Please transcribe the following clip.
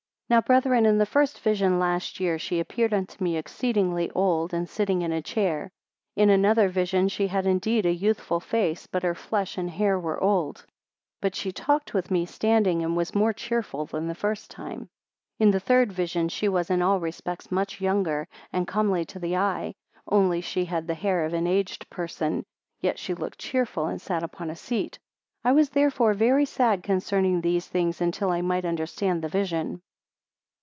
108 Now, brethren, in the first vision the last year, she appeared unto me exceedingly old, and sitting in a chair. 109 In another vision, she had indeed a youthful face, but her flesh and hair were old; but she talked with me standing, and was more cheerful than the first time. 110 In the third vision, she was in all respects much younger, and comely to the eye; only she had the hair of an aged person: yet she looked cheerful, and sat upon a seat. 111 I was therefore very sad concerning these things, until I might understand the vision.